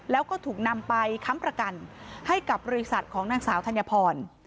แล้วก็ถูกนำไปค้ำประกันให้กับบริษัทของนางสาวธัญพร